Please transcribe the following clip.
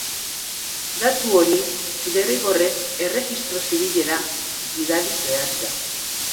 Datu hori derrigorrez erregistro zibilera bidali behar da.